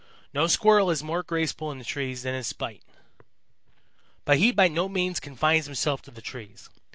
No Squirrel is more graceful in the trees than is Spite. "But he by no means confines himself to the trees.